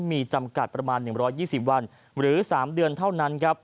มีจำกัดประมาณ๑๒๐วันหรือ๓เดือนเท่านั้นครับ